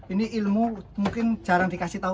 ini ilmu mungkin jarang dikasih tahu